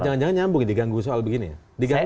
jangan jangan nyambung diganggu soal begini ya